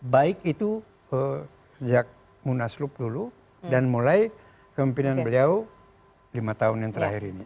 baik itu sejak munaslup dulu dan mulai kemimpinan beliau lima tahun yang terakhir ini